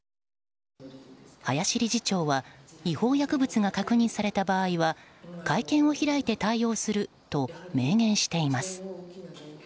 林理事長は違法薬物が確認された場合は会見を開いて対応すると明言しています。